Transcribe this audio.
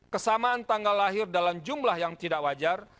kesamaan tanggal lahir dalam jumlah yang tidak wajar